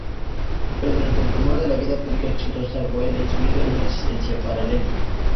Pero, durante el rumor de la vida pública exitosa, Wallace vive una existencia paralela.